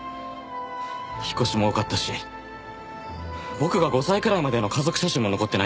引っ越しも多かったし僕が５歳くらいまでの家族写真も残ってないんですよ。